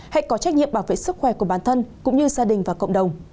hãy có trách nhiệm bảo vệ sức khỏe của bản thân cũng như gia đình và cộng đồng